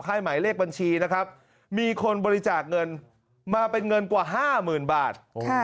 หมายเลขบัญชีนะครับมีคนบริจาคเงินมาเป็นเงินกว่า๕๐๐๐บาท